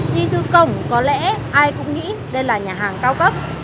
đi từ cổng có lẽ ai cũng nghĩ đây là nhà hàng cao cấp